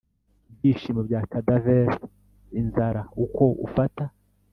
ibyishimo bya cadaver inzara uko ufata